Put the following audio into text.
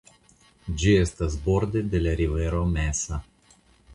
Ĝi estas borde de la rivero Mesa.